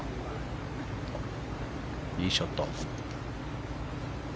いいショット。